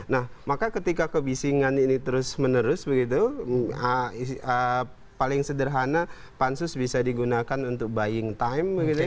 nah maka ketika kebisingan ini terus menerus begitu paling sederhana pansus bisa digunakan untuk buying time